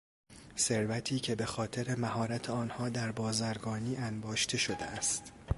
ثروتی که به خاطر مهارت آنها در بازرگانی انباشته شده است